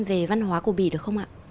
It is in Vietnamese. về văn hóa của bỉ được không ạ